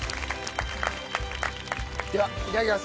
ではいただきます！